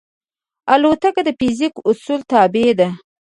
الوتکه د فزیک اصولو تابع ده.